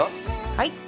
はい